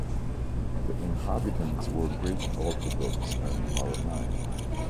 The inhabitants were Greek Orthodox and Maronite.